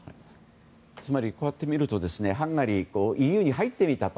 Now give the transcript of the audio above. つまり、こうして見るとハンガリーＥＵに入ってみたと。